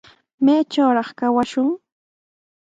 ¿Maytrawraq kawashwan?